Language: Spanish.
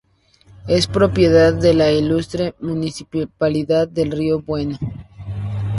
Es propiedad de la Ilustre Municipalidad de Río Bueno.